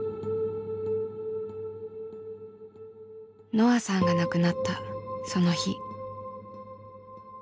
のあさんが亡くなったその日。